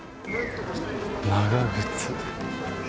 長靴。